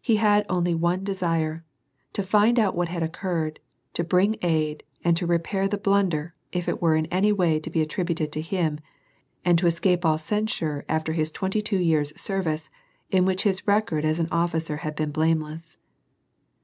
He had only one desire : to find out what had occurred, to bring aid, and to repair the blunder, if it were in any way to be attributed to him, and to escape all censure after his twenty two years' service, in which his record as an officer had been blameless.